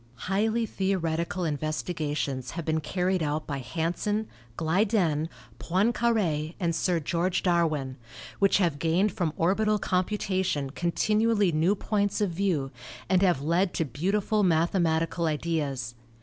Highly theoretical investigations have been carried out by Hansen, Glyden, Poincare and Sir George Darwin, which have gained from orbital computation continually new points of view and have led to beautiful mathematical ideas.